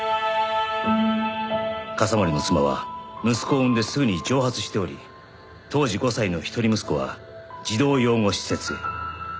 笠森の妻は息子を産んですぐに蒸発しており当時５歳の一人息子は児童養護施設へ。